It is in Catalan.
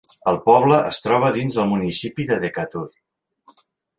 El poble es troba dins del municipi de Decatur.